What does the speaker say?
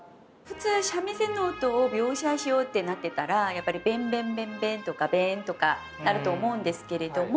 普通三味線の音を描写しようってなってたらやっぱり「ベンベンベンベン」とか「ベーン」とかなると思うんですけれども。